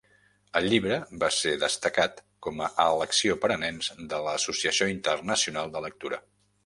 El llibre va ser destacat com a Elecció per a nens de la Associació Internacional de Lectura.